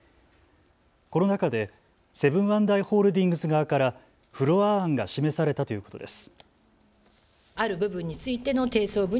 この中でセブン＆アイ・ホールディングス側からフロア案が示されたということです。